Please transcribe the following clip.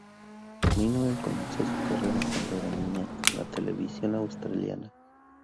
Minogue comenzó su carrera cuando era niña en la televisión australiana.